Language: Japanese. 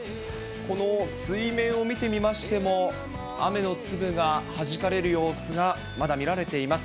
この水面を見てみましても、雨の粒がはじかれる様子がまだ見られています。